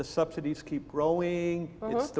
bahwa subsidi subsidi terus tumbuh